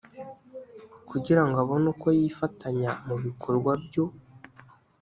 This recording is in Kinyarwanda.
kugira ngo abone uko yifatanya mu bikorwa byo